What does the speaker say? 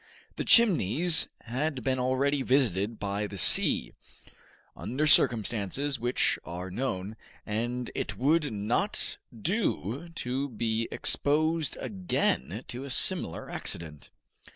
The Chimneys had been already visited by the sea, under circumstances which are known, and it would not do to be exposed again to a similar accident.